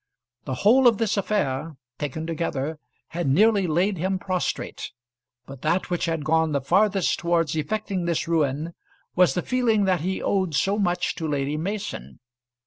The whole of this affair, taken together, had nearly laid him prostrate; but that which had gone the farthest towards effecting this ruin, was the feeling that he owed so much to Lady Mason.